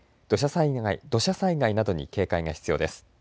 土砂災害などに警戒が必要です。